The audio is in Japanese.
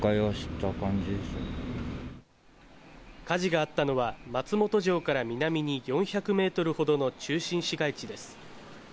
火事があったのは松本城から南に４００ｍほどの中心市街地です。